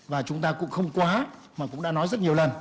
và chúng ta cũng không quá mà cũng đã nói rất nhiều lần